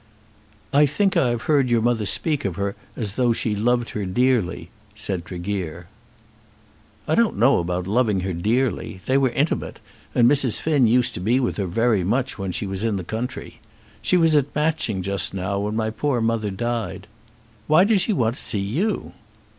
"I think I have heard your mother speak of her as though she loved her dearly," said Tregear. "I don't know about loving her dearly. They were intimate, and Mrs. Finn used to be with her very much when she was in the country. She was at Matching just now, when my poor mother died. Why does she want to see you?"